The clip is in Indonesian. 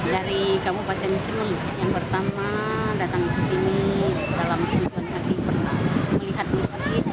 dari kabupaten semi yang pertama datang ke sini dalam tujuan tadi pernah melihat masjid